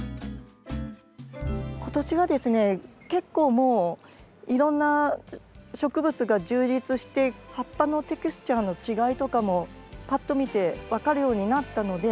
今年はですね結構もういろんな植物が充実して葉っぱのテクスチャーの違いとかもぱっと見て分かるようになったので。